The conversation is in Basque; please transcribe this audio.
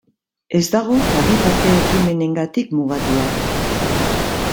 Ez dago kalitate ekimenengatik mugatua.